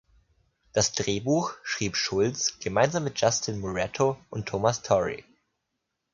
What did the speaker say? Das Drehbuch schrieb Schultz gemeinsam mit Justin Moretto und Thomas Torrey.